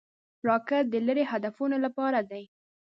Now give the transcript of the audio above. راکټ د لیرې هدفونو لپاره دی